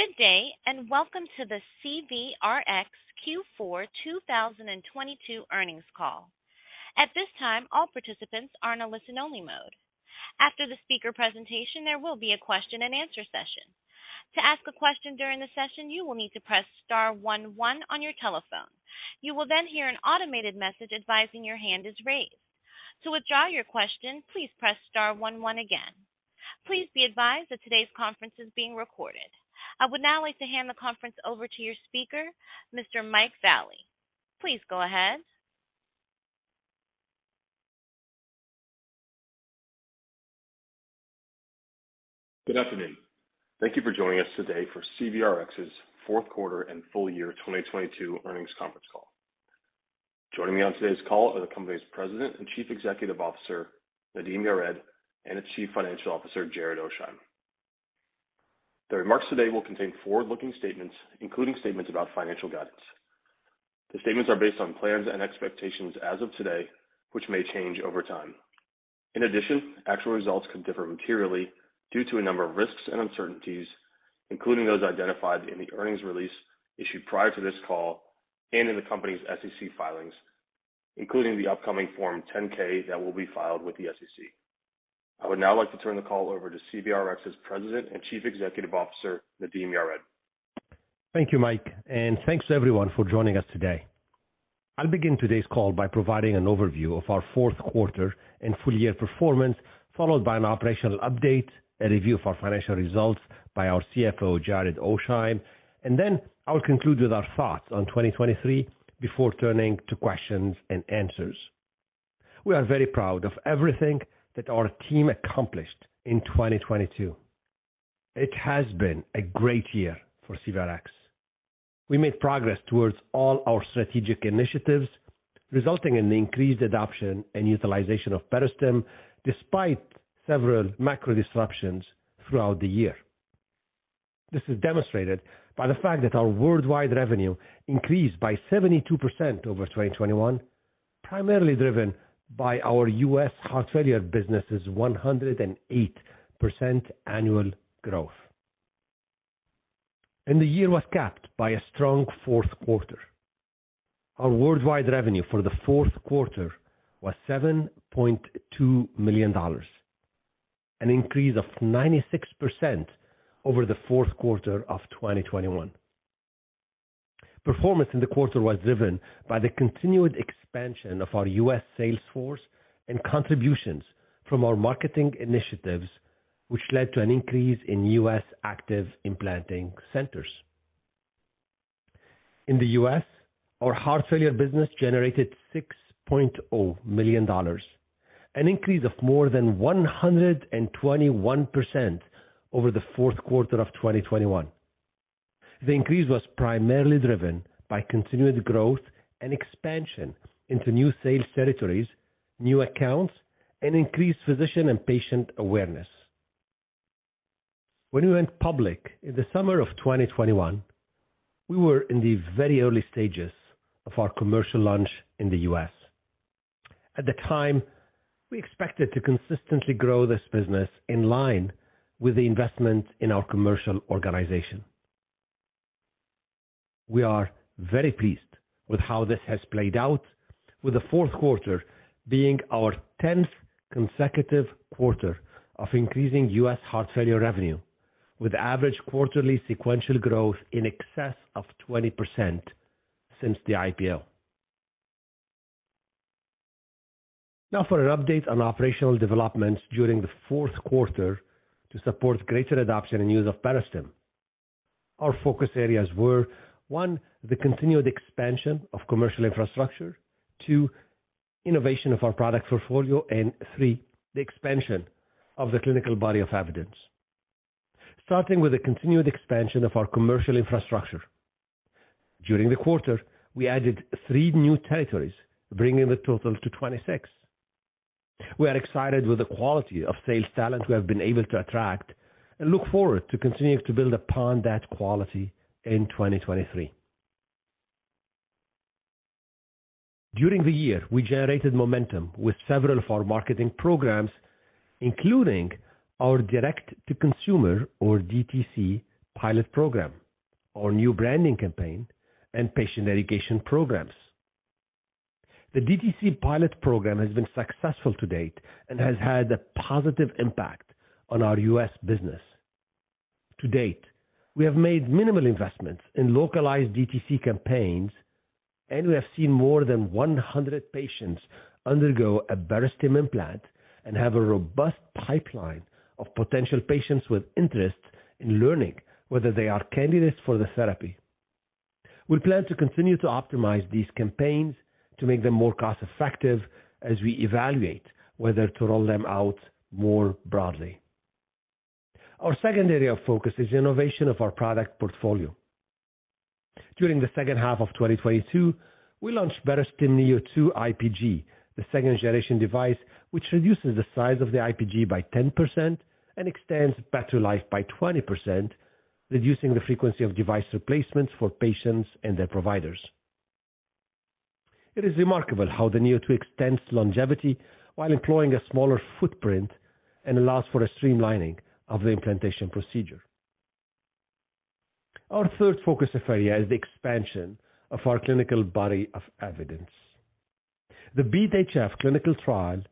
Good day, and welcome to the CVRx Q4 2022 earnings call. At this time, all participants are in a listen-only mode. After the speaker presentation, there will be a question-and-answer session. To ask a question during the session, you will need to press star 11 on your telephone. You will then hear an automated message advising your hand is raised. To withdraw your question, please press star 11 again. Please be advised that today's conference is being recorded. I would now like to hand the conference over to your speaker, Mr. Mike Vallie. Please go ahead. Good afternoon. Thank you for joining us today for CVRx's fourth quarter and full year 2022 earnings conference call. Joining me on today's call are the company's President and Chief Executive Officer, Nadim Yared, and its Chief Financial Officer, Jared Oasheim. The remarks today will contain forward-looking statements, including statements about financial guidance. The statements are based on plans and expectations as of today, which may change over time. In addition, actual results could differ materially due to a number of risks and uncertainties, including those identified in the earnings release issued prior to this call and in the company's SEC filings, including the upcoming Form 10-K that will be filed with the SEC. I would now like to turn the call over to CVRx's President and Chief Executive Officer, Nadim Yared. Thank you, Mike, and thanks everyone for joining us today. I'll begin today's call by providing an overview of our fourth quarter and full year performance, followed by an operational update, a review of our financial results by our CFO, Jared Oasheim, and then I will conclude with our thoughts on 2023 before turning to questions and answers. We are very proud of everything that our team accomplished in 2022. It has been a great year for CVRx. We made progress towards all our strategic initiatives, resulting in increased adoption and utilization of Barostim despite several macro disruptions throughout the year. This is demonstrated by the fact that our worldwide revenue increased by 72% over 2021, primarily driven by our U.S. heart failure business's 108% annual growth. The year was capped by a strong fourth quarter. Our worldwide revenue for the fourth quarter was $7.2 million, an increase of 96% over the fourth quarter of 2021. Performance in the quarter was driven by the continued expansion of our U.S. sales force and contributions from our marketing initiatives, which led to an increase in U.S. active implanting centers. In the U.S., our heart failure business generated $6.0 million, an increase of more than 121% over the fourth quarter of 2021. The increase was primarily driven by continued growth and expansion into new sales territories, new accounts, and increased physician and patient awareness. When we went public in the summer of 2021, we were in the very early stages of our commercial launch in the U.S. At the time, we expected to consistently grow this business in line with the investment in our commercial organization. We are very pleased with how this has played out with the fourth quarter being our tenth consecutive quarter of increasing U.S. heart failure revenue with average quarterly sequential growth in excess of 20% since the IPO. For an update on operational developments during the fourth quarter to support greater adoption and use of Barostim, our focus areas were, one, the continued expansion of commercial infrastructure. Two, innovation of our product portfolio. Three, the expansion of the clinical body of evidence. Starting with the continued expansion of our commercial infrastructure. During the quarter, we added three new territories, bringing the total to 26. We are excited with the quality of sales talent we have been able to attract and look forward to continuing to build upon that quality in 2023. During the year, we generated momentum with several of our marketing programs, including our direct-to-consumer or DTC pilot program, our new branding campaign, and patient education programs. The DTC pilot program has been successful to date and has had a positive impact on our U.S. business. To date, we have made minimal investments in localized DTC campaigns, we have seen more than 100 patients undergo a Barostim implant and have a robust pipeline of potential patients with interest in learning whether they are candidates for the therapy. We plan to continue to optimize these campaigns to make them more cost-effective as we evaluate whether to roll them out more broadly. Our second area of focus is innovation of our product portfolio. During the second half of 2022, we launched Barostim NEO2 IPG, the second-generation device, which reduces the size of the IPG by 10% and extends battery life by 20%, reducing the frequency of device replacements for patients and their providers. It is remarkable how the NEO2 extends longevity while employing a smaller footprint and allows for a streamlining of the implantation procedure. Our third focus area is the expansion of our clinical body of evidence. The BeAT-HF clinical trial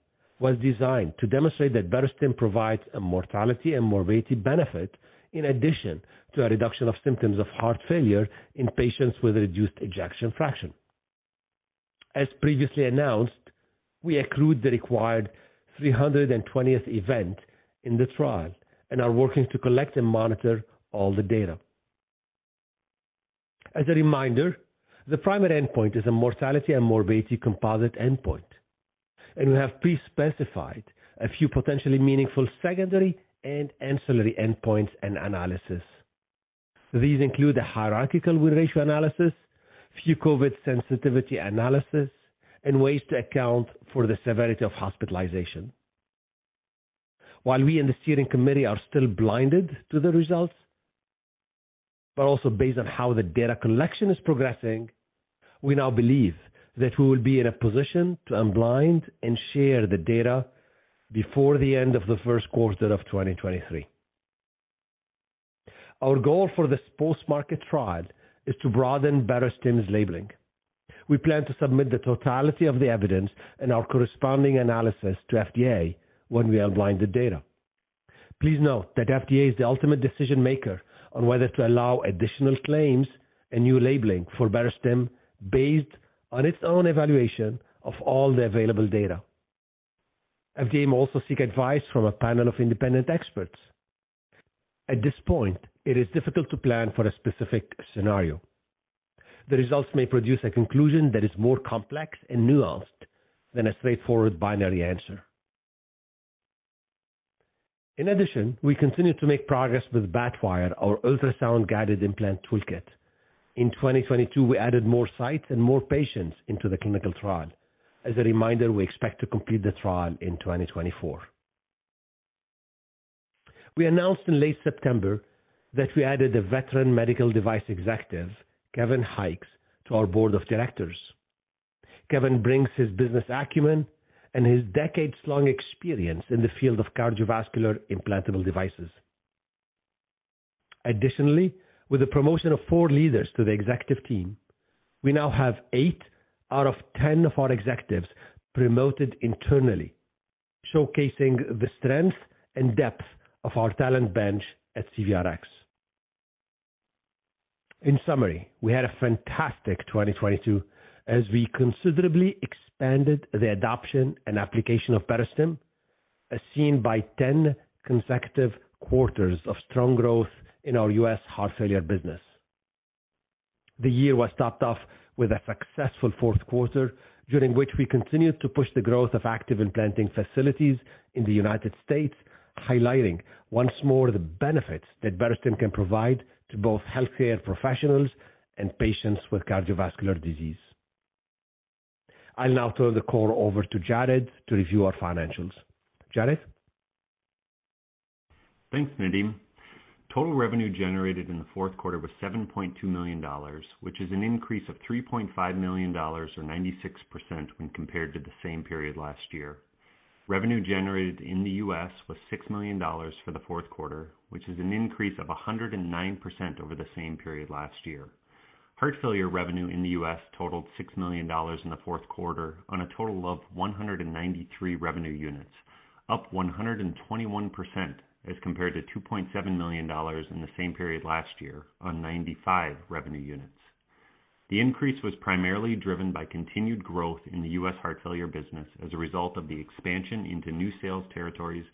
was designed to demonstrate that Barostim provides a mortality and morbidity benefit in addition to a reduction of symptoms of heart failure in patients with reduced ejection fraction. As previously announced, we accrued the required 320th event in the trial and are working to collect and monitor all the data. As a reminder, the primary endpoint is a mortality and morbidity composite endpoint, and we have pre-specified a few potentially meaningful secondary and ancillary endpoints and analysis. These include a hierarchical ratio analysis, a few COVID sensitivity analyses, and ways to account for the severity of hospitalization. While we in the steering committee are still blinded to the results, but also based on how the data collection is progressing, we now believe that we will be in a position to unblind and share the data before the end of the first quarter of 2023. Our goal for this post-market trial is to broaden Barostim's labeling. We plan to submit the totality of the evidence and our corresponding analysis to FDA when we unblind the data. Please note that FDA is the ultimate decision maker on whether to allow additional claims and new labeling for Barostim based on its own evaluation of all the available data. FDA may also seek advice from a panel of independent experts. At this point, it is difficult to plan for a specific scenario. The results may produce a conclusion that is more complex and nuanced than a straightforward binary answer. In addition, we continue to make progress with BATwire, our ultrasound-guided implant toolkit. In 2022, we added more sites and more patients into the clinical trial. As a reminder, we expect to complete the trial in 2024. We announced in late September that we added a veteran medical device executive, Kevin Hykes, to our board of directors. Kevin brings his business acumen and his decades-long experience in the field of cardiovascular implantable devices. Additionally, with the promotion of 4 leaders to the executive team, we now have 8 out of 10 of our executives promoted internally, showcasing the strength and depth of our talent bench at CVRx. In summary, we had a fantastic 2022 as we considerably expanded the adoption and application of Barostim, as seen by 10 consecutive quarters of strong growth in our U.S. heart failure business. The year was topped off with a successful 4th quarter, during which we continued to push the growth of active implanting facilities in the United States, highlighting once more the benefits that Barostim can provide to both healthcare professionals and patients with cardiovascular disease. I'll now turn the call over to Jared to review our financials. Jared? Thanks, Nadim. Total revenue generated in the fourth quarter was $7.2 million, which is an increase of $3.5 million or 96% when compared to the same period last year. Revenue generated in the U.S. was $6 million for the fourth quarter, which is an increase of 109% over the same period last year. Heart failure revenue in the U.S. totaled $6 million in the fourth quarter on a total of 193 revenue units, up 121% as compared to $2.7 million in the same period last year on 95 revenue units. The increase was primarily driven by continued growth in the U.S. heart failure business as a result of the expansion into new sales territories,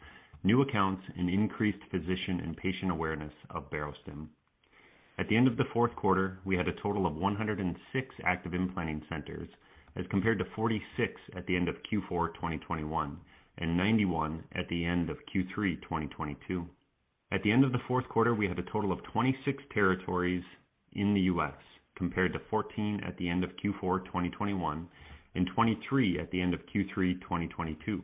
new accounts and increased physician and patient awareness of Barostim. At the end of the fourth quarter, we had a total of 106 active implanting centers as compared to 46 at the end of Q4 2021 and 91 at the end of Q3 2022. At the end of the fourth quarter, we had a total of 26 territories in the U.S. compared to 14 at the end of Q4 2021 and 23 at the end of Q3 2022.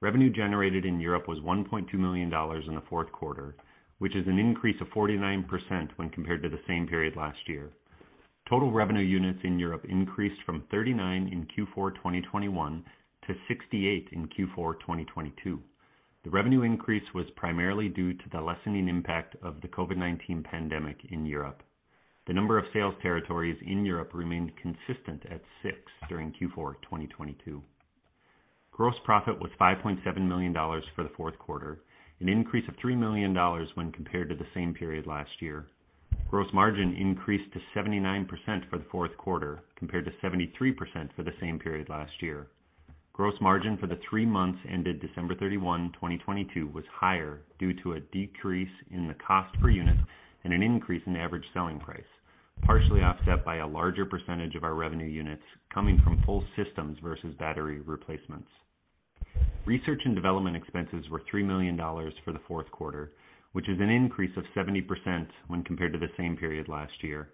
Revenue generated in Europe was $1.2 million in the fourth quarter, which is an increase of 49% when compared to the same period last year. Total revenue units in Europe increased from 39 in Q4 2021 to 68 in Q4 2022. The revenue increase was primarily due to the lessening impact of the COVID-19 pandemic in Europe. The number of sales territories in Europe remained consistent at 6 during Q4 2022. Gross profit was $5.7 million for the fourth quarter, an increase of $3 million when compared to the same period last year. Gross margin increased to 79% for the fourth quarter, compared to 73% for the same period last year. Gross margin for the 3 months ended December 31, 2022, was higher due to a decrease in the cost per unit and an increase in average selling price, partially offset by a larger percentage of our revenue units coming from full systems versus battery replacements. Research and development expenses were $3 million for the fourth quarter, which is an increase of 70% when compared to the same period last year.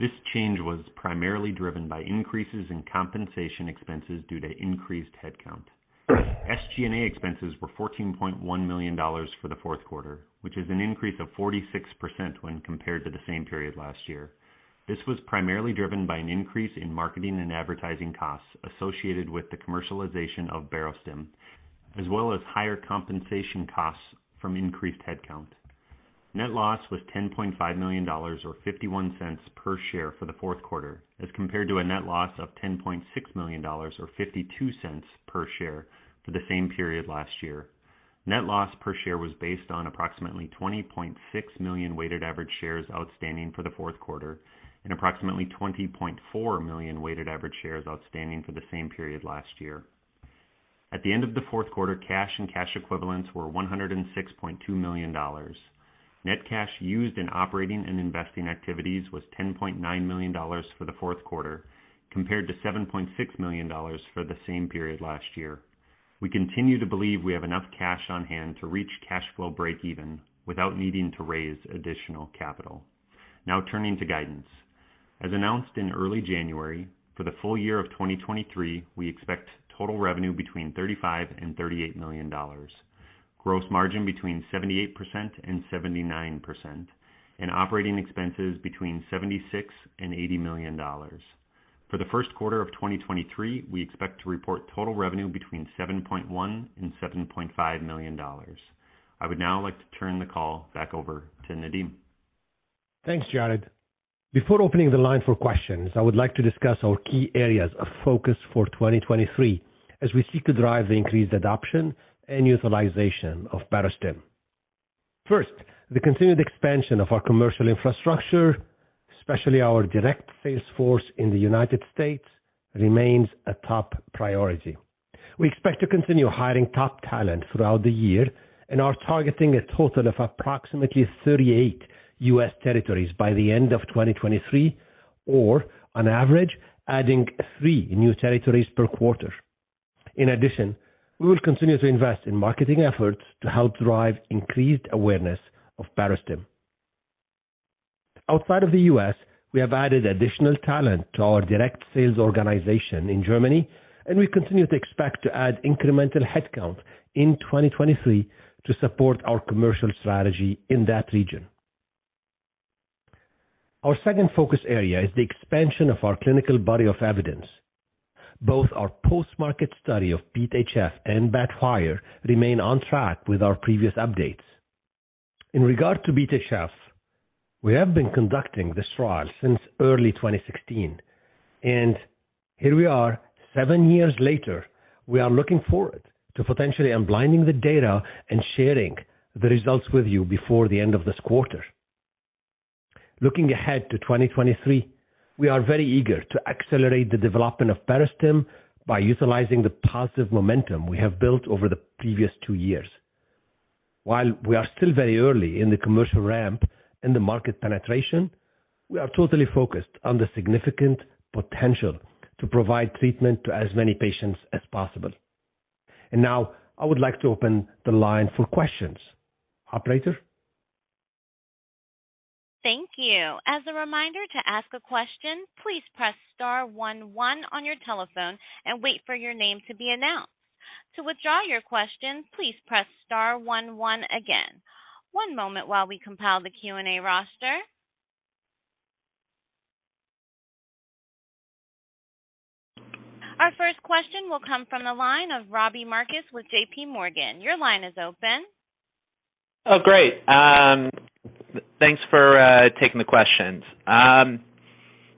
This change was primarily driven by increases in compensation expenses due to increased headcount. SG&A expenses were $14.1 million for the fourth quarter, which is an increase of 46% when compared to the same period last year. This was primarily driven by an increase in marketing and advertising costs associated with the commercialization of Barostim, as well as higher compensation costs from increased headcount. Net loss was $10.5 million or $0.51 per share for the fourth quarter as compared to a net loss of $10.6 million or $0.52 per share for the same period last year. Net loss per share was based on approximately 20.6 million weighted average shares outstanding for the fourth quarter and approximately 20.4 million weighted average shares outstanding for the same period last year. At the end of the fourth quarter, cash and cash equivalents were $106.2 million. Net cash used in operating and investing activities was $10.9 million for the fourth quarter, compared to $7.6 million for the same period last year. We continue to believe we have enough cash on hand to reach cash flow break even without needing to raise additional capital. Turning to guidance. As announced in early January, for the full year of 2023, we expect total revenue between $35 million-$38 million, gross margin between 78%-79%, and operating expenses between $76 million-$80 million. For the first quarter of 2023, we expect to report total revenue between $7.1 million-$7.5 million. I would now like to turn the call back over to Nadim. Thanks, Jared. Before opening the line for questions, I would like to discuss our key areas of focus for 2023 as we seek to drive the increased adoption and utilization of Barostim. First, the continued expansion of our commercial infrastructure, especially our direct sales force in the United States, remains a top priority. We expect to continue hiring top talent throughout the year and are targeting a total of approximately 38 U.S. territories by the end of 2023, or on average, adding 3 new territories per quarter. In addition, we will continue to invest in marketing efforts to help drive increased awareness of Barostim. Outside of the U.S., we have added additional talent to our direct sales organization in Germany, and we continue to expect to add incremental headcount in 2023 to support our commercial strategy in that region. Our second focus area is the expansion of our clinical body of evidence. Both our post-market study of BeAT-HF and BeAT-HF remain on track with our previous updates. In regard to BeAT-HF, we have been conducting this trial since early 2016 and here we are 7 years later, we are looking forward to potentially unblinding the data and sharing the results with you before the end of this quarter. Looking ahead to 2023, we are very eager to accelerate the development of Barostim by utilizing the positive momentum we have built over the previous 2 years. While we are still very early in the commercial ramp in the market penetration, we are totally focused on the significant potential to provide treatment to as many patients as possible. Now I would like to open the line for questions. Operator? Thank you. As a reminder to ask a question, please press star one one on your telephone and wait for your name to be announced. To withdraw your question, please press star one one again. One moment while we compile the Q&A roster. Our first question will come from the line of Robbie Marcus with J.P. Morgan. Your line is open. Great. Thanks for taking the questions.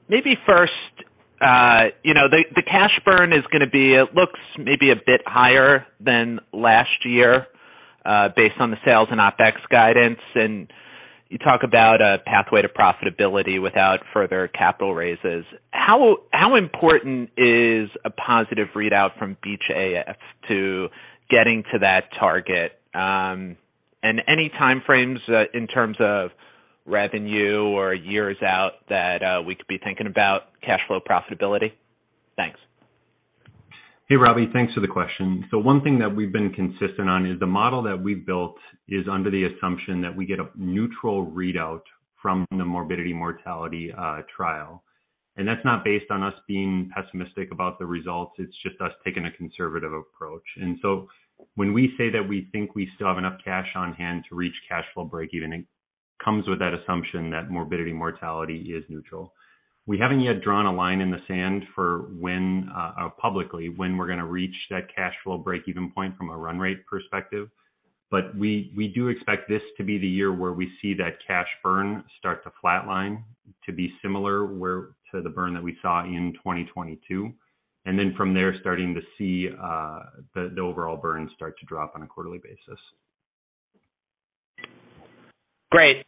Maybe first, the cash burn looks maybe a bit higher than last year, based on the sales and OpEx guidance. You talk about a pathway to profitability without further capital raises. How important is a positive readout from BeAT-HF to getting to that target? Any time frames in terms of revenue or years out that we could be thinking about cash flow profitability? Thanks. Hey, Robbie. Thanks for the question. One thing that we've been consistent on is the model that we've built is under the assumption that we get a neutral readout from the Morbidity Mortality trial. That's not based on us being pessimistic about the results, it's just us taking a conservative approach. When we say that we think we still have enough cash on hand to reach cash flow break even, it comes with that assumption that Morbidity Mortality is neutral. We haven't yet drawn a line in the sand for when publicly, when we're gonna reach that cash flow break even point from a run rate perspective. We do expect this to be the year where we see that cash burn start to flatline to be similar to the burn that we saw in 2022, and then from there, starting to see the overall burn start to drop on a quarterly basis. Great.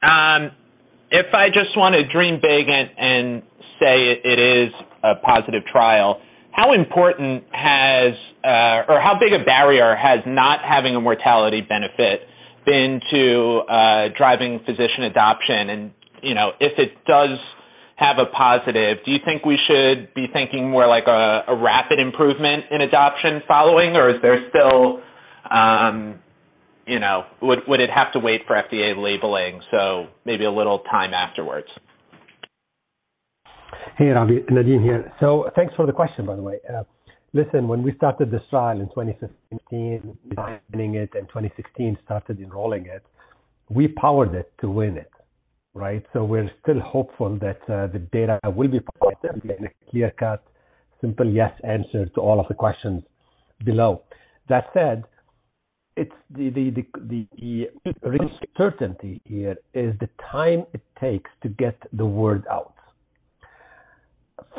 If I just wanna dream big and say it is a positive trial, how important has, or how big a barrier has not having a mortality benefit been to driving physician adoption? If it does have a positive, do you think we should be thinking more like a rapid improvement in adoption following, or is there still would it have to wait for FDA labeling, so maybe a little time afterwards? Hey, Robbie. Nadim here. Thanks for the question, by the way. Listen, when we started this trial in 2015, designing it, in 2016 started enrolling it, we powered it to win it. We're still hopeful that the data will be positive and be a clear-cut, simple, yes answer to all of the questions below. That said, it's the uncertainty here is the time it takes to get the word out.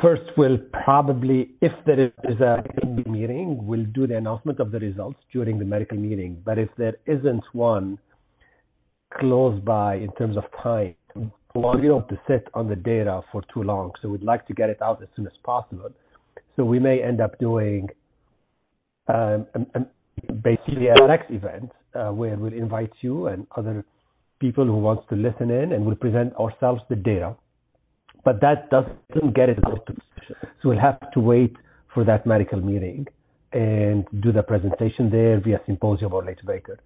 First, we'll probably, if there is a meeting, we'll do the announcement of the results during the medical meeting, but if there isn't one close by in terms of time, we don't want to sit on the data for too long, so we'd like to get it out as soon as possible. We may end up doing, basically, an X event, where we'll invite you and other people who wants to listen in and we'll present ourselves the data. That doesn't get it out. We'll have to wait for that medical meeting and do the presentation there via symposium or late breaker.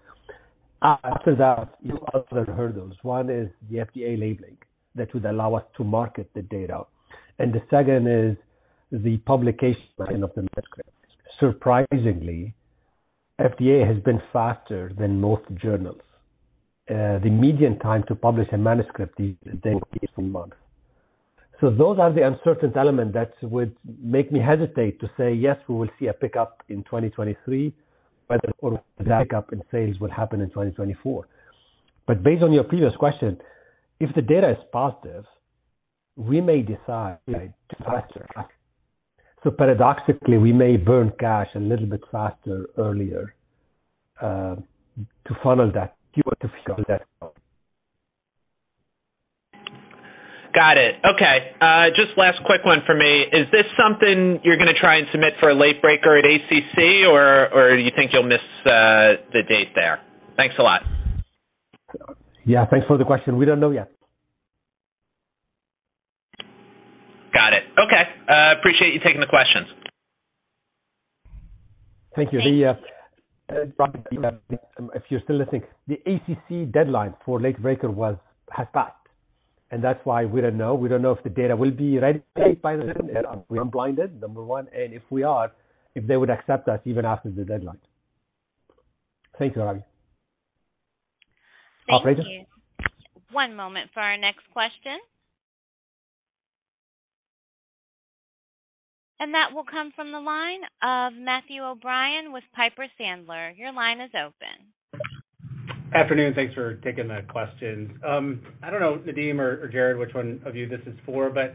After that, you also heard those. One is the FDA labeling that would allow us to market the data, and the second is the publication of the manuscript. Surprisingly, FDA has been faster than most journals. The median time to publish a manuscript is 10-15 months. Those are the uncertain elements that would make me hesitate to say, "Yes, we will see a pickup in 2023," but the pickup in sales will happen in 2024. Based on your previous question, if the data is positive, we may decide to faster. Paradoxically, we may burn cash a little bit faster earlier, to follow that. Got it. Okay. Just last quick one for me. Is this something you're going to try and submit for a late breaker at ACC, or you think you'll miss the date there? Thanks a lot. Yeah, thanks for the question. We don't know yet. Got it. Okay. Appreciate you taking the questions. Thank you. If you're still listening, the ACC deadline for late breaker has passed, and that's why we don't know. We don't know if the data will be ready by then. We're unblinded, number one, and if we are, if they would accept us even after the deadline. Thank you. Thank you. Operator. One moment for our next question. That will come from the line of Matthew O'Brien with Piper Sandler. Your line is open. Afternoon. Thanks for taking the questions. I don't know, Nadim or Jared, which one of you this is for, but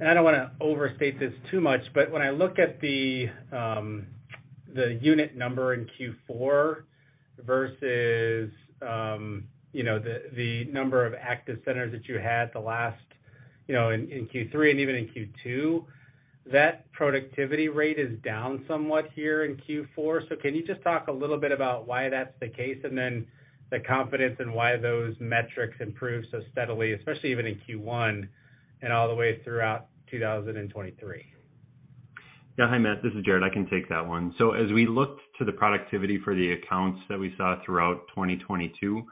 and I don't want to overstate this too much, but when I look at the unit number in Q4 versus the number of active centers that you had the last in Q3 and even in Q2, that productivity rate is down somewhat here in Q4. Can you just talk a little bit about why that's the case, and then the confidence in why those metrics improved so steadily, especially even in Q1 and all the way throughout 2023? Yeah. Hi, Matthew O'Brien, this is Jared Oasheim. I can take that 1. As we look to the productivity for the accounts that we saw throughout 2022,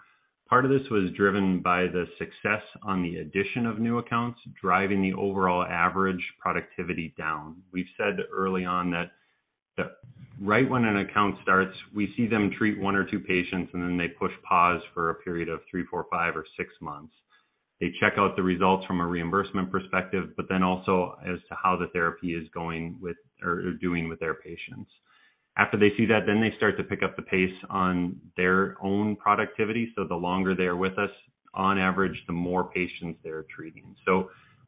part of this was driven by the success on the addition of new accounts, driving the overall average productivity down. We've said early on that right when an account starts, we see them treat 1 or 2 patients, and then they push pause for a period of 3, 4, 5 or 6 months. They check out the results from a reimbursement perspective, but then also as to how the therapy is going with or doing with their patients. After they see that, then they start to pick up the pace on their own productivity. The longer they are with us, on average, the more patients they are treating.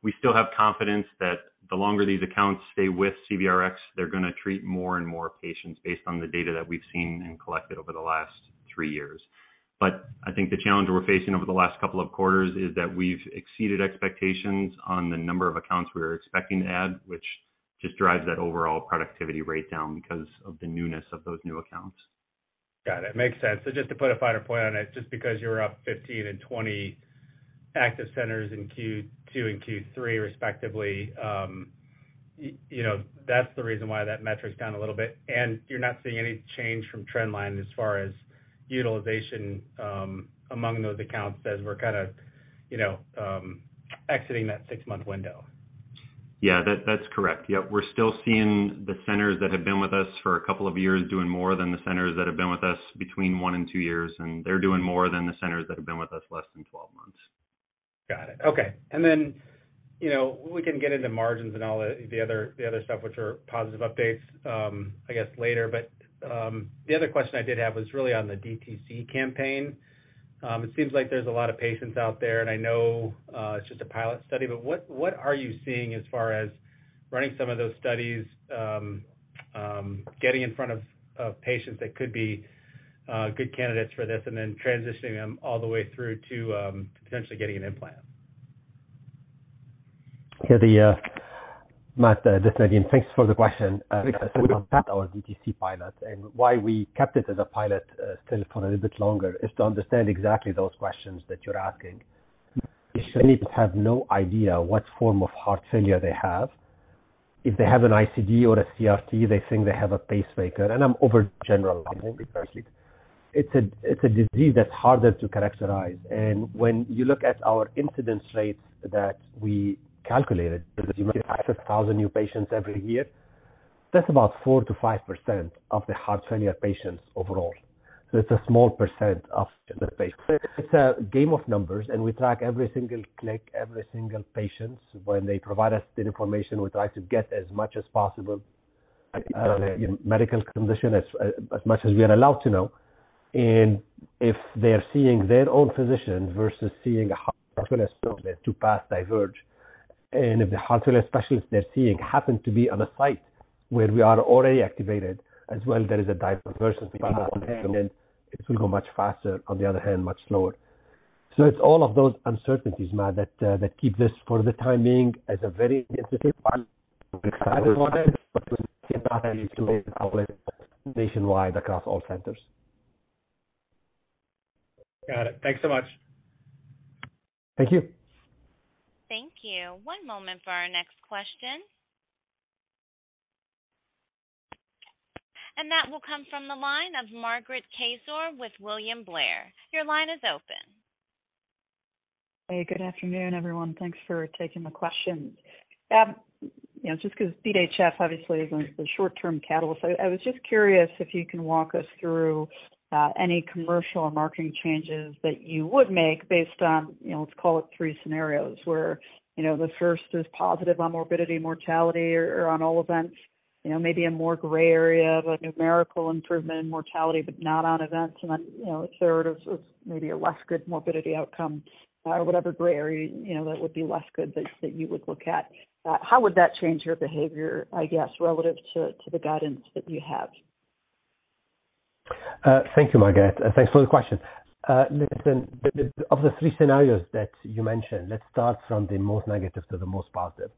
We still have confidence that the longer these accounts stay with CVRx, they're going to treat more and more patients based on the data that we've seen and collected over the last 3 years. I think the challenge we're facing over the last 2 quarters is that we've exceeded expectations on the number of accounts we were expecting to add, which just drives that overall productivity rate down because of the newness of those new accounts. Got it. Makes sense. Just to put a finer point on it, just because you're up 15 and 20 active centers in Q2 and Q3 respectively, that's the reason why that metric is down a little bit and you're not seeing any change from trend line as far as utilization, among those accounts as we're kinda exiting that six-month window. Yeah, that's correct. Yeah, we're still seeing the centers that have been with us for a couple of years doing more than the centers that have been with us between one and two years, and they're doing more than the centers that have been with us less than 12 months. Got it. Okay. Then, we can get into margins and all the other, the other stuff which are positive updates later. The other question I did have was really on the DTC campaign. It seems like there's a lot of patients out there, and I know, it's just a pilot study, but what are you seeing as far as running some of those studies, getting in front of patients that could be good candidates for this and then transitioning them all the way through to potentially getting an implant? Hey, Matt, this is Nadim. Thanks for the question. Our DTC pilot and why we kept it as a pilot, still for a little bit longer, is to understand exactly those questions that you're asking. Patients have no idea what form of heart failure they have. If they have an ICD or a CRT, they think they have a pacemaker, and I'm overgeneralizing. It's a disease that's harder to characterize. When you look at our incidence rates that we calculated, you may have 5,000 new patients every year. That's about 4%-5% of the heart failure patients overall. It's a small % of the patients. It's a game of numbers, and we track every single click, every single patients. When they provide us the information, we try to get as much as possible medical condition as much as we are allowed to know. If they are seeing their own physician versus seeing a heart failure specialist, two paths diverge. If the heart failure specialist they're seeing happens to be on a site where we are already activated as well, there is a diverse path. It will go much faster, on the other hand, much slower. It's all of those uncertainties, Matt, that keep this for the time being as a very nationwide across all centers. Got it. Thanks so much. Thank you. Thank you. One moment for our next question. That will come from the line of Margaret Kaczor with William Blair. Your line is open. Good afternoon, everyone. Thanks for taking the question. Just 'cause BeAT-HF obviously isn't the short-term catalyst. I was just curious if you can walk us through any commercial or marketing changes that you would make based on, let's call it 3 scenarios where the first is positive on morbidity, mortality or on all events. Maybe a more gray area of a numerical improvement in mortality, but not on events. Then, a third of maybe a less good morbidity outcome, or whatever gray area that would be less good that you would look at. How would that change your behavior relative to the guidance that you have? Thank you, Margaret. Thanks for the question. Listen, of the three scenarios that you mentioned, let's start from the most negative to the most positive.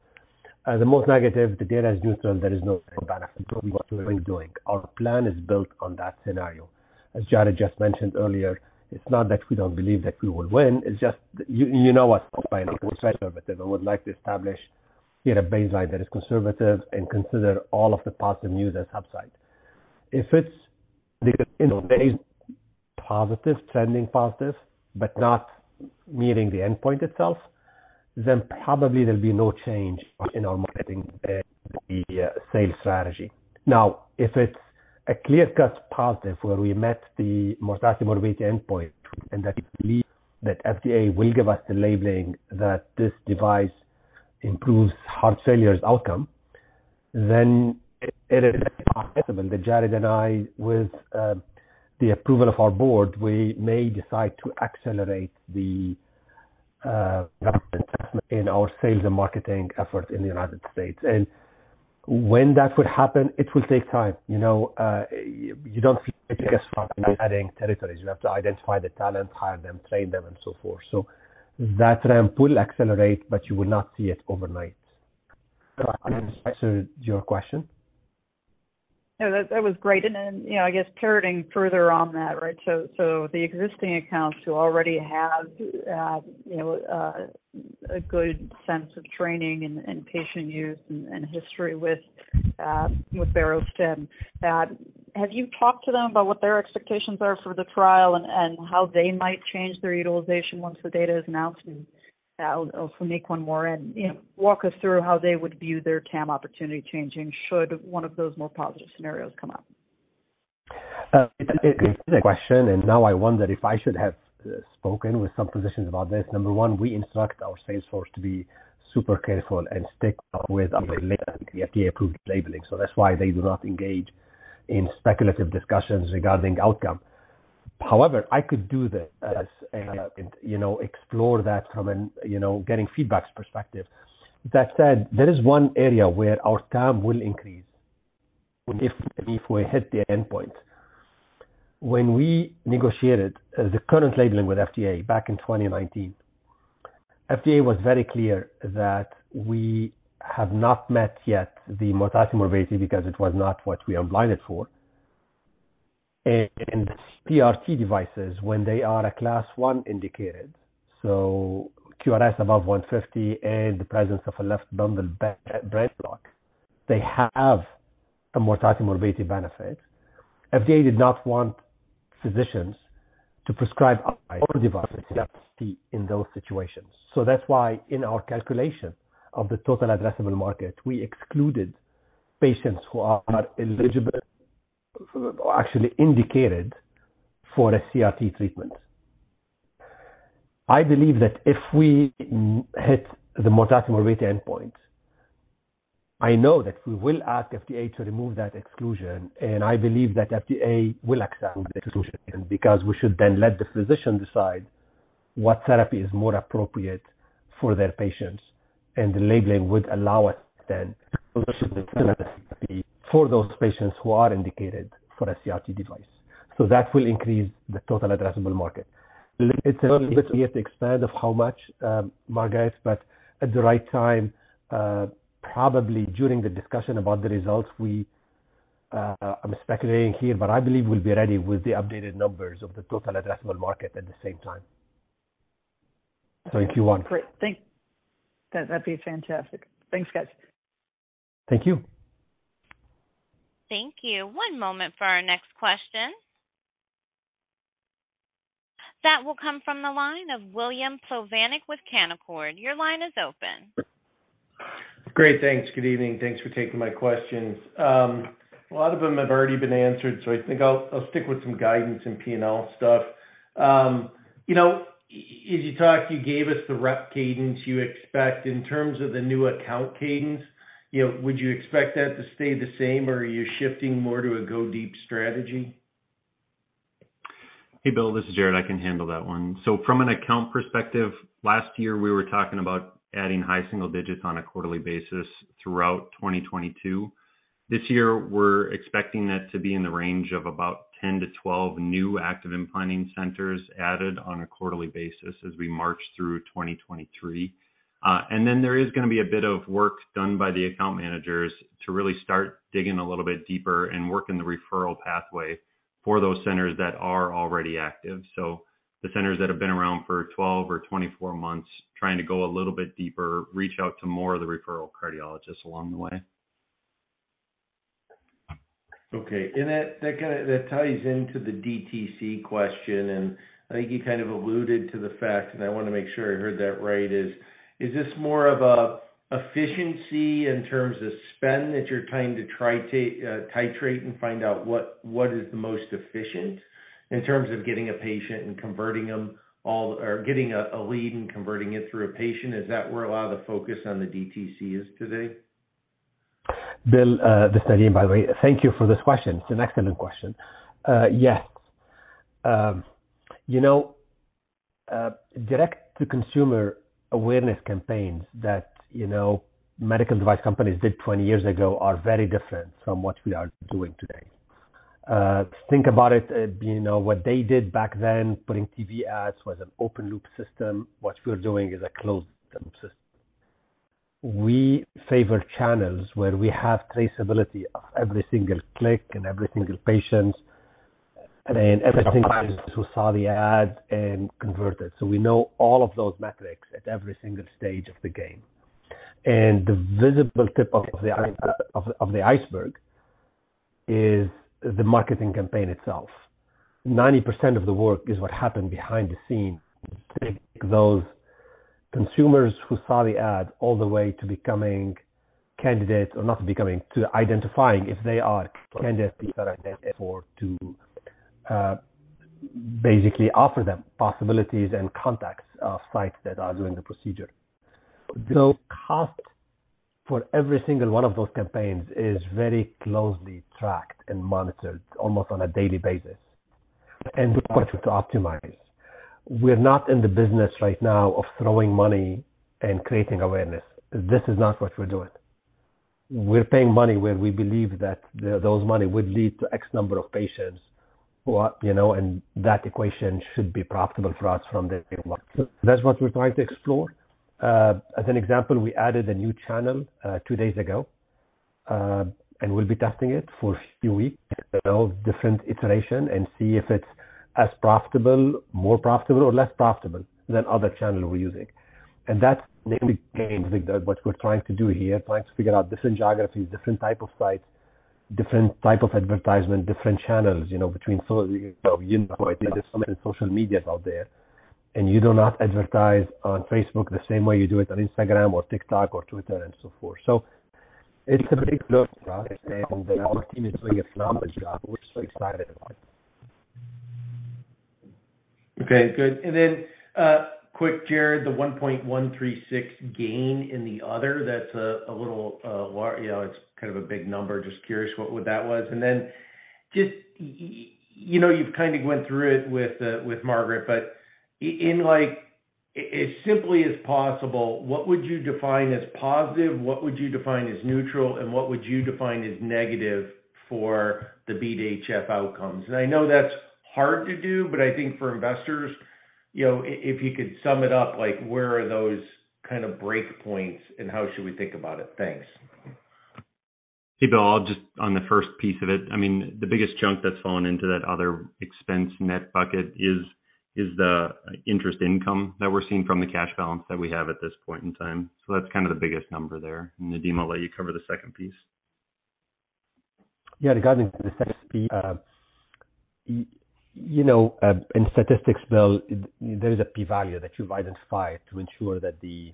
The most negative, the data is neutral. There is no benefit to what we've been doing. Our plan is built on that scenario. As Jared just mentioned earlier, it's not that we don't believe that we will win. It's just us, we're conservative and would like to establish data baseline that is conservative and consider all of the positive news as upside. If it's positive trending positive, but not meeting the endpoint itself, then probably there'll be no change in our marketing and the sales strategy. If it's a clear-cut positive where we met the mortality morbidity endpoint, and that we believe that FDA will give us the labeling that this device improves heart failures outcome, then it is possible that Jared and I, with the approval of our board, we may decide to accelerate the investment in our sales and marketing effort in the United States. When that would happen, it will take time. You don't see it just adding territories. You have to identify the talent, hire them, train them, and so forth. That ramp will accelerate, but you will not see it overnight. Does that answer your question? No. That was great. Then pivoting further on that. The existing accounts who already have, a good sense of training and patient use and history with Barostim. Have you talked to them about what their expectations are for the trial and how they might change their utilization once the data is announced? I'll also make one more and walk us through how they would view their TAM opportunity changing should one of those more positive scenarios come up. It's a good question, now I wonder if I should have spoken with some physicians about this. Number one, we instruct our sales force to be super careful and stick with the FDA-approved labeling. That's why they do not engage in speculative discussions regarding outcome. However, I could do that as a explore that from an getting feedback perspective. That said, there is one area where our TAM will increase if we hit the endpoint. When we negotiated the current labeling with FDA back in 2019, FDA was very clear that we have not met yet the mortality morbidity because it was not what we unblinded for. CRT devices when they are a class one indicated, so QRS above 150 and the presence of a left bundle branch block, they have a mortality morbidity benefit. FDA did not want physicians to prescribe our device in those situations. That's why in our calculation of the total addressable market, we excluded patients who are not eligible or actually indicated for a CRT treatment. I believe that if we hit the mortality morbidity endpoint, I know that we will ask FDA to remove that exclusion. I believe that FDA will accept the exclusion because we should then let the physician decide what therapy is more appropriate for their patients. The labeling would allow us then for those patients who are indicated for a CRT device. That will increase the total addressable market. It's a little bit early to expand of how much, Margaret, but at the right time, probably during the discussion about the results, we, I'm speculating here, but I believe we'll be ready with the updated numbers of the total addressable market at the same time. Thank you. Great. That'd be fantastic. Thanks, guys. Thank you. Thank you. One moment for our next question. That will come from the line of William Plovanic with Canaccord. Your line is open. Great, thanks. Good evening. Thanks for taking my questions. A lot of them have already been answered, so I think I'll stick with some guidance and P&L stuff. As you talked, you gave us the rep cadence you expect. In terms of the new account cadence would you expect that to stay the same, or are you shifting more to a go-deep strategy? Hey, Bill, this is Jared. I can handle that one. From an account perspective, last year we were talking about adding high single digits on a quarterly basis throughout 2022. This year, we're expecting that to be in the range of about 10 to 12 new active implanting centers added on a quarterly basis as we march through 2023. There is gonna be a bit of work done by the account managers to really start digging a little bit deeper and working the referral pathway for those centers that are already active. The centers that have been around for 12 or 24 months, trying to go a little bit deeper, reach out to more of the referral cardiologists along the way. Okay. That ties into the DTC question, and I think you alluded to the fact, and I wanna make sure I heard that right, is this more of a efficiency in terms of spend that you're trying to trite, titrate and find out what is the most efficient in terms of getting a patient and converting them all or getting a lead and converting it through a patient? Is that where a lot of the focus on the DTC is today? Bill, this is Nadim, by the way. Thank you for this question. It's an excellent question. Yes. Direct-to-consumer awareness campaigns that medical device companies did 20 years ago are very different from what we are doing today. Think about it what they did back then, putting TV ads, was an open-loop system. What we're doing is a closed-loop system. We favor channels where we have traceability of every single click and every single patient and every single person who saw the ad and converted. We know all of those metrics at every single stage of the game. The visible tip of the iceberg is the marketing campaign itself. 90% of the work is what happened behind the scenes to take those consumers who saw the ad all the way to becoming candidates or not becoming, to identifying if they are candidates that are identified for to basically offer them possibilities and contacts of sites that are doing the procedure. The cost for every single one of those campaigns is very closely tracked and monitored almost on a daily basis. We're working to optimize. We're not in the business right now of throwing money and creating awareness. This is not what we're doing. We're paying money where we believe that those money would lead to X number of patients who are and that equation should be profitable for us from day one. That's what we're trying to explore. As an example, we added a new channel, two days ago, and we'll be testing it for a few weeks, different iteration and see if it's as profitable, more profitable or less profitable than other channels we're using. That's the only game that what we're trying to do here, trying to figure out different geographies, different type of sites, different type of advertisement, different channels, there's so many social medias out there, and you do not advertise on Facebook the same way you do it on Instagram or TikTok or Twitter and so forth. It's a very close process, and our team is doing a phenomenal job. We're so excited about it. Okay, good. Quick, Jared, the $1.136 gain in the other, that's a little it's a big number. Just curious what that was. Just, you've kinda went through it with Margaret, but in like, as simply as possible, what would you define as positive, what would you define as neutral, and what would you define as negative for the BeAT-HF outcomes? I know that's hard to do, but I think for investors if you could sum it up, like where are those break points and how should we think about it? Thanks. Hey, Bill. I'll just on the first piece of it, the biggest chunk that's fallen into that other expense net bucket is the interest income that we're seeing from the cash balance that we have at this point in time. That's the biggest number there. Nadim, I'll let you cover the second piece. Yeah. Regarding the second piece in statistics, Bill, there is a p-value that you've identified to ensure that the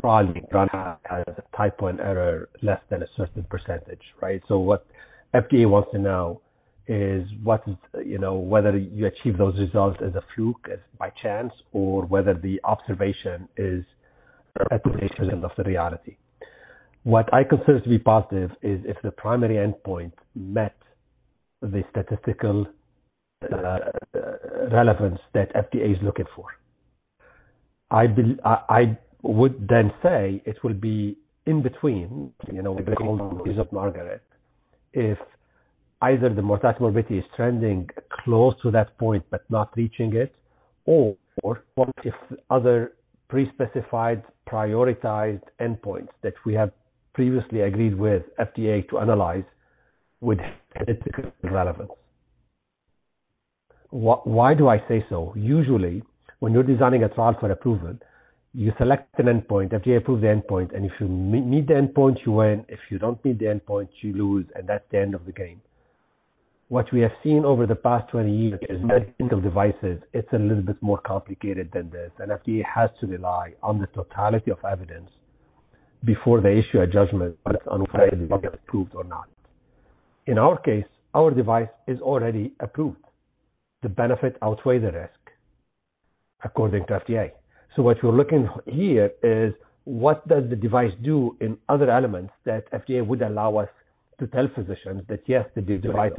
trial you run has a type one error less than a certain percentage. What FDA wants to know is what whether you achieve those results as a fluke, as by chance, or whether the observation is a representation of the reality. What I consider to be positive is if the primary endpoint met the statistical relevance that FDA is looking for. I would then say it will be in between the gold standard of Margaret, if either the mortality morbidity is trending close to that point but not reaching it or one of other pre-specified prioritized endpoints that we have previously agreed with FDA to analyze would hit the statistical relevance. Why do I say so? Usually, when you're designing a trial for approval. You select an endpoint, FDA approves the endpoint, and if you meet the endpoint, you win. If you don't meet the endpoint, you lose, and that's the end of the game. What we have seen over the past 20 years is medical devices, it's a little bit more complicated than this, and FDA has to rely on the totality of evidence before they issue a judgment on whether the drug gets approved or not. In our case, our device is already approved. The benefit outweigh the risk according to FDA. What you're looking here is what does the device do in other elements that FDA would allow us to tell physicians that, yes, the device.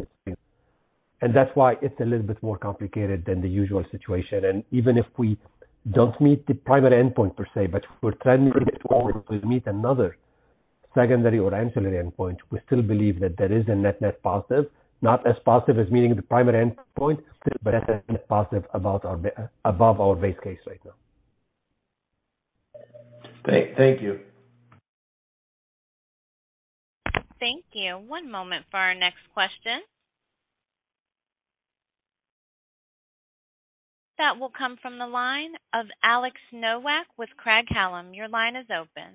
That's why it's a little bit more complicated than the usual situation. Even if we don't meet the primary endpoint per se, but we're trending meet another secondary or ancillary endpoint, we still believe that there is a net-net positive. Not as positive as meeting the primary endpoint, but positive above our base case right now. Thank you. Thank you. One moment for our next question. That will come from the line of Alex Nowak with Craig-Hallum. Your line is open.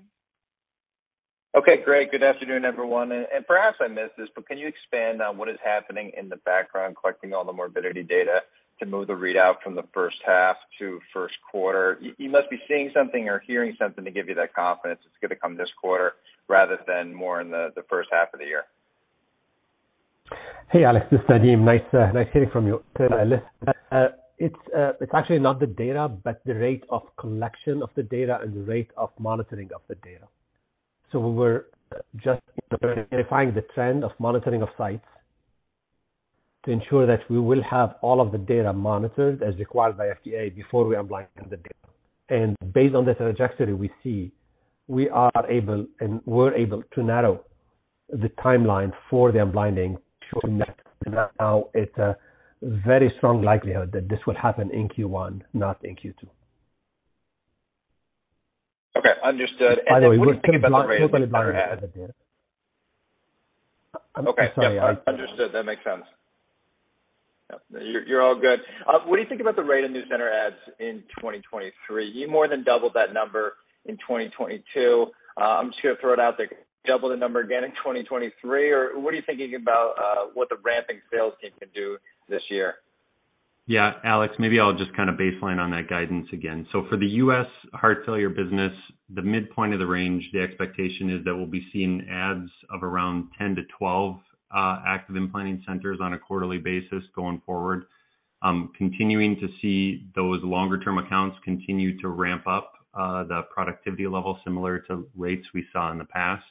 Okay, great. Good afternoon, everyone. Perhaps I missed this, but can you expand on what is happening in the background, collecting all the morbidity data to move the readout from the first half to first quarter? You must be seeing something or hearing something to give you that confidence it's going to come this quarter rather than more in the first half of the year. Hey, Alex. This is Nadim. Nice hearing from you. It's actually not the data, but the rate of collection of the data and the rate of monitoring of the data. We were just verifying the trend of monitoring of sites to ensure that we will have all of the data monitored as required by FDA before we unblind the data. Based on the trajectory we see, we are able and were able to narrow the timeline for the unblinding shortly. It's a very strong likelihood that this will happen in Q1, not in Q2. Okay, understood. Okay. Understood. That makes sense. You're all good. What do you think about the rate of new center adds in 2023? You more than doubled that number in 2022. I'm just gonna throw it out there. Double the number again in 2023, or what are you thinking about what the ramping sales team can do this year? Yeah. Alex, maybe I'll just baseline on that guidance again. For the U.S. heart failure business, the midpoint of the range, the expectation is that we'll be seeing adds of around 10-12 active implanting centers on a quarterly basis going forward. Continuing to see those longer term accounts continue to ramp up the productivity level similar to rates we saw in the past.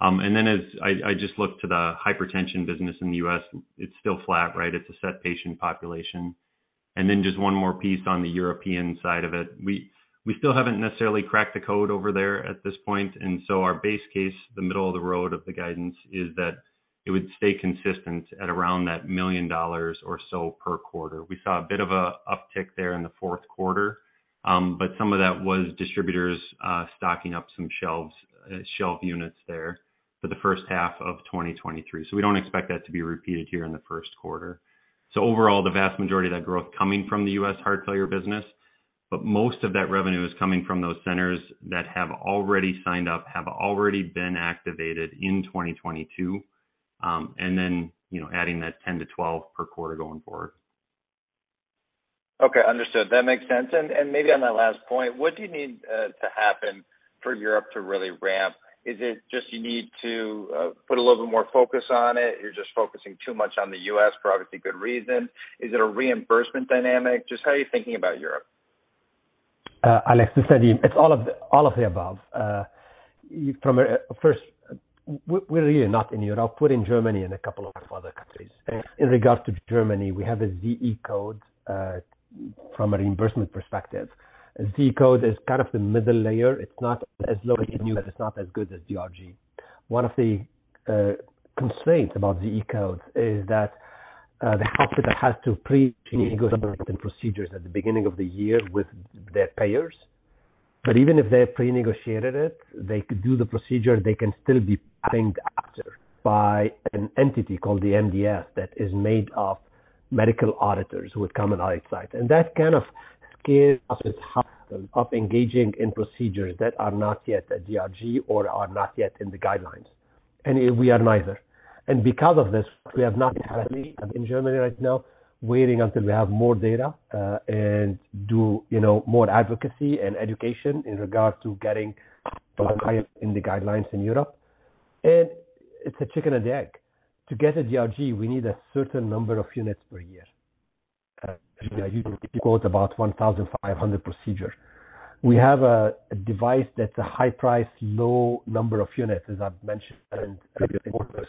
As I just look to the hypertension business in the U.S., it's still flat. It's a set patient population. Just one more piece on the European side of it. We still haven't necessarily cracked the code over there at this point, and so our base case, the middle of the road of the guidance, is that it would stay consistent at around that $1 million or so per quarter. We saw a bit of a uptick there in the fourth quarter, but some of that was distributors, stocking up some shelves, shelf units there for the first half of 2023. We don't expect that to be repeated here in the first quarter. Overall, the vast majority of that growth coming from the US heart failure business. Most of that revenue is coming from those centers that have already signed up, have already been activated in 2022, and then adding that 10-12 per quarter going forward. Okay, understood. That makes sense. Maybe on that last point, what do you need to happen for Europe to really ramp? Is it just you need to put a little bit more focus on it, you're just focusing too much on the US for obviously good reason? Is it a reimbursement dynamic? Just how are you thinking about Europe? Alex, this is Nadim. It's all of the, all of the above. First, we're really not in Europe. Put in Germany and a couple of other countries. In regards to Germany, we have a Z code from a reimbursement perspective. Z code is the middle layer. It's not as low as new, but it's not as good as DRG. One of the constraints about Z codes is that the hospital has to pre-negotiate procedures at the beginning of the year with their payers. Even if they pre-negotiated it, they could do the procedure, they can still be paying after by an entity called the MDS that is made of medical auditors who would come and audit site. That scares us of engaging in procedures that are not yet a DRG or are not yet in the guidelines. We are neither. Because of this, we have not heavily in Germany right now, waiting until we have more data, and do more advocacy and education in regards to getting in the guidelines in Europe. It's a chicken and egg. To get a DRG, we need a certain number of units per year. Usually it equals about 1,500 procedures. We have a device that's a high price, low number of units, as I've mentioned in previous quarters.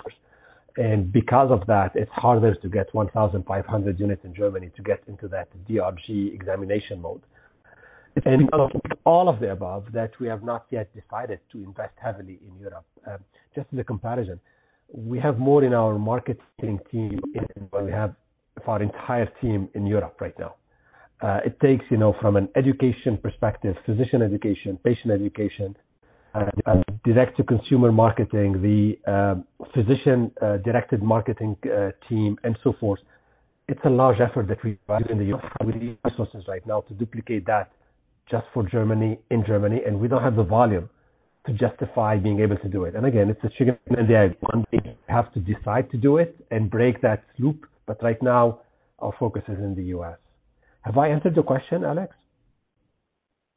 Because of that, it's harder to get 1,500 units in Germany to get into that DRG examination mode. All of the above that we have not yet decided to invest heavily in Europe. Just as a comparison, we have more in our marketing team than we have our entire team in Europe right now. It takes from an education perspective, physician education, patient education, direct to consumer marketing, the physician directed marketing team and so forth. It's a large effort that we provide in the resources right now to duplicate that just for Germany, in Germany, and we don't have the volume to justify being able to do it. Again, it's a chicken and the egg. One, we have to decide to do it and break that loop. Right now, our focus is in the U.S. Have I answered the question, Alex?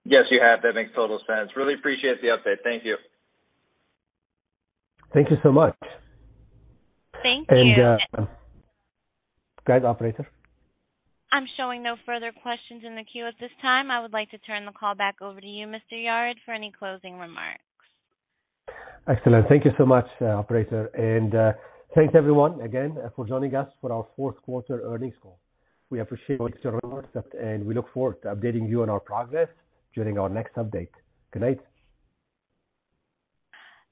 Yes, you have. That makes total sense. Really appreciate the update. Thank you. Thank you so much. Thank you. Go ahead, operator. I'm showing no further questions in the queue at this time. I would like to turn the call back over to you, Mr. Yared, for any closing remarks. Excellent. Thank you so much, operator. Thanks everyone again for joining us for our fourth quarter earnings call. We appreciate your support, and we look forward to updating you on our progress during our next update. Good night.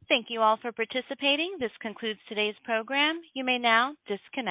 Thank you all for participating. This concludes today's program. You may now disconnect.